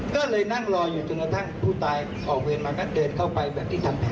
ก็เลยนั่งรออยู่จนกระทั่งผู้ตายออกเวรมาก็เดินเข้าไปแบบที่ทำ